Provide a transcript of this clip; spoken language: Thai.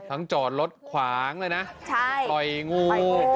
ทั้งจอดรถขวางเลยนะใช่ไห่งู